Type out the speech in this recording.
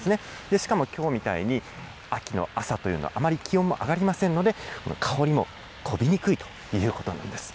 しかもきょうみたいに秋の朝というのは、あまり気温も上がりませんので、香りも飛びにくいということなんです。